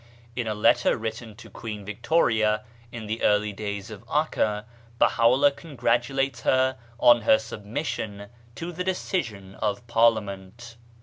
In a letter written to Queen Victoria in the early days of 'Akka, Baha'u'llah congratulates her on her submission to the decision of Parliament.